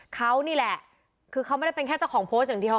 เขานี่แหละคือเขาไม่ได้เป็นแค่เจ้าของโพสต์อย่างเดียว